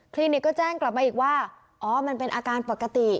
นิกก็แจ้งกลับมาอีกว่าอ๋อมันเป็นอาการปกติ